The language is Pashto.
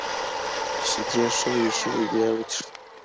شیدې ښه وایشوئ بیا یې وڅښئ.